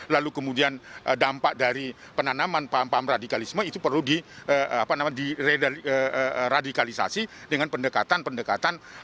lalu kemudian dampak dari penanaman paham paham radikalisme itu perlu diradikalisasi dengan pendekatan pendekatan